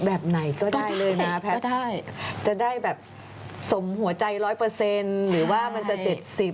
แบบไหนก็ได้เลยนะแพทย์ก็ได้จะได้แบบสมหัวใจร้อยเปอร์เซ็นต์หรือว่ามันจะ๗๐